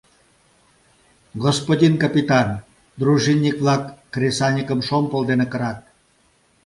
— Господин капитан, дружинник-влак кресаньыкым шомпол дене кырат.